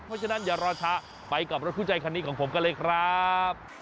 เพราะฉะนั้นอย่ารอช้าไปกับรถคู่ใจคันนี้ของผมกันเลยครับ